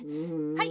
はい。